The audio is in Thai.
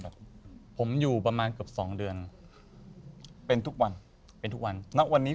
แบบผมอยู่ประมาณเกือบสองเดือนเป็นทุกวันเป็นทุกวันณวันนี้